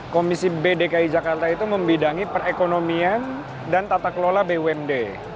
komisi b dki jakarta itu membidangi perekonomian dan tata kelola bumd